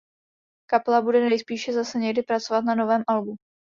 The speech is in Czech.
Kapela bude nejspíše zase někdy pracovat na novém albu.